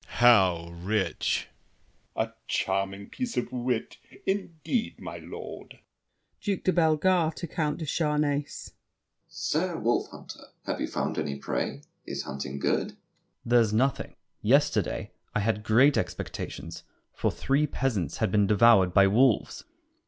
How rich! L'ANGELY. A charming piece of wit, indeed, my lord! DUKE DE BELLEGARDE (to Count de Charnacé). Sir wolf hunter, have you found any prey? Is hunting good? COUNT DE CHARNACÉ. There's nothing! Yesterday I had great expectations, for three peasants Had been devoured by wolves.